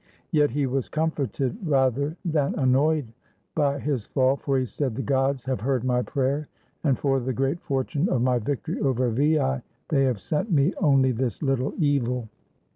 Yet he was comforted rather than annoyed by his fall, for he said, "The gods have heard my prayer, and for the great fortune of my victory over Veii they have sent me only this little evil."